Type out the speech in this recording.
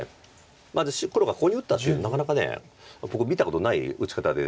まず黒がここに打ったっていうのなかなか僕見たことない打ち方で。